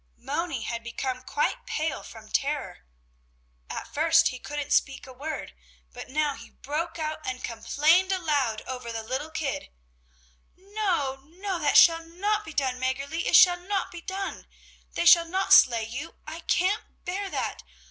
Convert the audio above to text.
Moni had become quite pale from terror. At first he couldn't speak a word; but now he broke out and complained aloud over the little kid: "No, no, that shall not be done, Mäggerli, it shall not be done. They shall not slay you, I can't bear that.